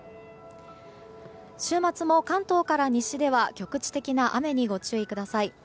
週末も関東から西では局地的な雨にご注意ください。